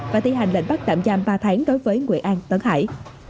và thi hành lệnh bắt tạm giam ba tháng đối với nguyễn an tấn hải